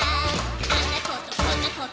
「あんなことこんなこと」